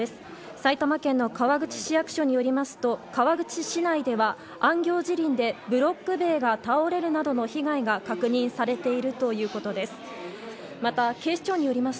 埼玉県の川口市役所によりますと川口市内であんぎょう樹林でブロック塀が倒れるなどの被害が確認されているということです。